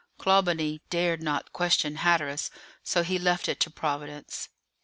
Clawbonny dared not question Hatteras, so he left it to Providence.